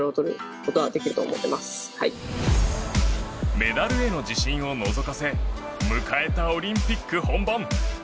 メダルへの自信をのぞかせ迎えたオリンピック本番。